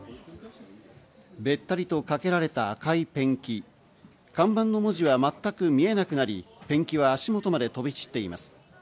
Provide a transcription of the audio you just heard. べったりとかけられた赤いペンキ、看板の文字は全く見えなくなり、ペンキは足元まで飛び散っています。